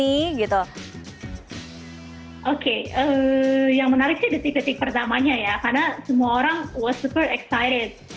oke yang menarik sih detik detik pertamanya ya karena semua orang worst super excited